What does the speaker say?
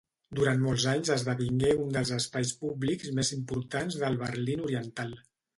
Durant molts anys esdevingué un dels espais públics més importants del Berlín Oriental.